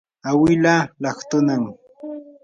awilaa laqtunami.